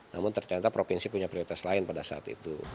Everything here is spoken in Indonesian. namun ternyata provinsi punya prioritas lain pada saat itu